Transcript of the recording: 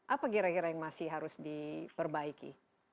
apa kira kira yang masih harus diperbaiki